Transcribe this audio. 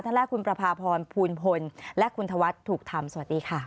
แรกคุณประพาพรภูลพลและคุณธวัฒน์ถูกทำสวัสดีค่ะ